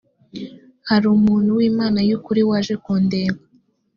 hari umuntu w imana y ukuri waje kundeba